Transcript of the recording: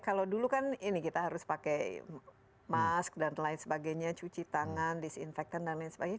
kalau dulu kan ini kita harus pakai masker dan lain sebagainya cuci tangan disinfektan dan lain sebagainya